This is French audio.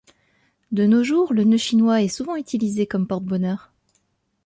De nos jours, le nœud chinois est souvent utilisé comme porte-bonheur.